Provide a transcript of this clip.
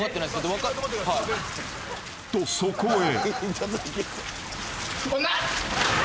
［とそこへ］